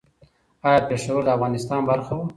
ایا پېښور د افغانستان برخه وه؟